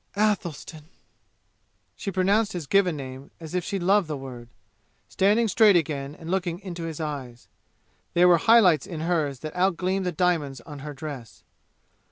"Athelstan!" She pronounced his given name as if she loved the word, standing straight again and looking into his eyes. There were high lights in hers that outgleamed the diamonds on her dress.